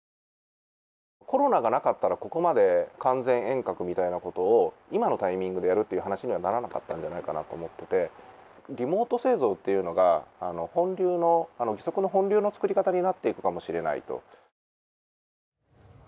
コロナがなかったらここまで完全遠隔みたいなことを今のタイミングでやるという話にはならなかったんじゃないかなと思っていてリモート製造というのが義足の本流の作り方になっていくかもしれないと。